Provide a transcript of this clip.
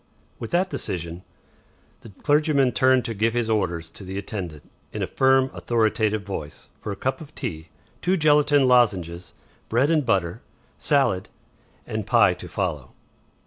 With that decision, the clergyman turned to give his orders to the attendant, in a firm, authoritative voice, for a cup of tea, two gelatine lozenges, bread and butter, salad, and pie to follow.